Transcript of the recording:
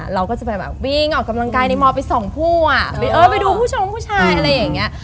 เราก็จะไปแบบวิ่งออกกำลังกายในมไปสองผู้อ่ะเออไปดูผู้ชมผู้ชายอะไรอย่างเงี้ย